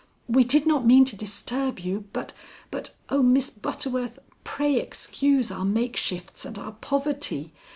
"We did not mean to disturb you, but but oh, Miss Butterworth, pray excuse our makeshifts and our poverty.